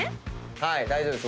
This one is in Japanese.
はい大丈夫です。